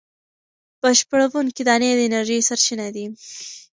بشپړوونکې دانې د انرژۍ سرچینه دي.